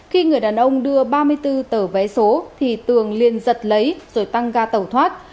khi người đàn ông đưa ba mươi bốn tờ vé số thì tường liền giật lấy rồi tăng ga tẩu thoát